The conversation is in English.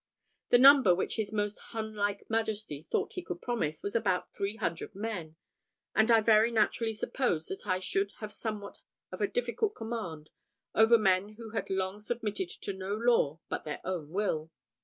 The number which his most Hun like majesty thought he could promise was about three hundred men; and I very naturally supposed that I should have somewhat of a difficult command over men who had long submitted to no law but their own will.